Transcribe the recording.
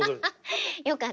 よかった。